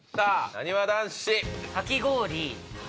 なにわ男子。